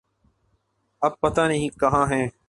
اب پتہ نہیں کہاں ہیں۔